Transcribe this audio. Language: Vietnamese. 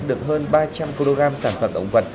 được hơn ba trăm linh kg sản phẩm động vật